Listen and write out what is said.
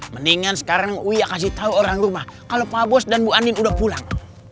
mendingan sekarang kasih tahu orang rumah kalau pak bos dan bu anin udah pulang